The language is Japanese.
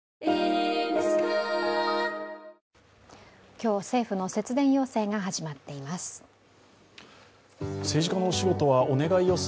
今日、政府の節電要請が始まっています。